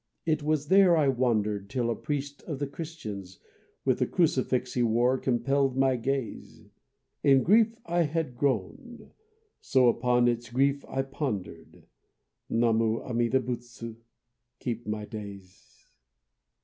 It was there I wandered Till a priest of the Christians With the crucifix he wore compelled my gaze. In grief I had grown, So upon its grief I pondered. Namu Amida Butsu, keep my days!